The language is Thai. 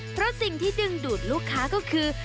เพราะสิ่งที่ดึงดูดลูกค้าก็คือ